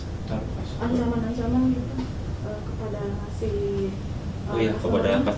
ancaman ancaman kepada si